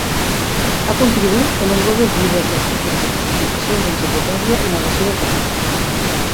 Ha contribuït a nombrosos llibres, articles i participacions d'enciclopèdia i narració de temes.